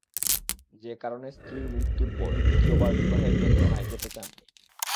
যে-কারণে স্ত্রীর মৃত্যুর পর দ্বিতীয় বার বিবাহের যন্ত্রণায় যেতে চান নি।